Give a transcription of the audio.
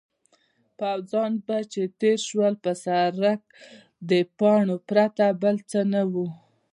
پوځیان چې به تېر شول پر سړک د پاڼو پرته بل څه نه وو.